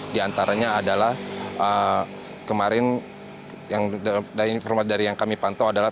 di antaranya adalah kemarin dari informasi yang kami pantau adalah